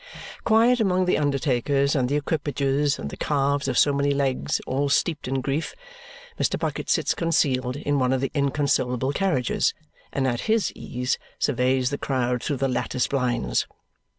Quiet among the undertakers and the equipages and the calves of so many legs all steeped in grief, Mr. Bucket sits concealed in one of the inconsolable carriages and at his ease surveys the crowd through the lattice blinds.